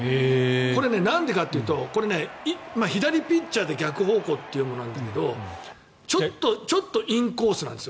これ、なんでかというと左ピッチャーで逆方向というものなんだけどちょっとインコースなんです。